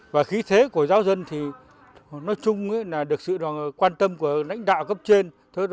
và khí thế của giáo dân thì nói chung là được sự quan tâm của lãnh đạo gấp trên